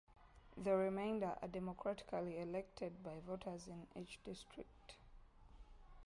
The remainder are democratically elected by voters in each district.